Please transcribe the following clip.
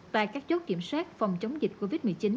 và các chốt kiểm soát phòng chống dịch covid một mươi chín